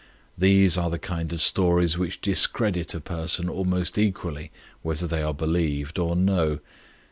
These are the kind of stories which discredit a person almost equally whether they are believed or no.